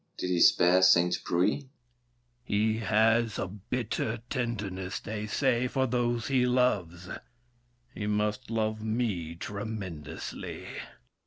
Did he spare Saint Preuil? THE KING. He has A bitter tenderness, they say, for those He loves. He must love me tremendously!